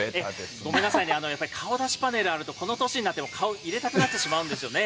ごめんなさいね、顔出しパネルあると、この年になっても、顔、入れたくなってしまうんですよね。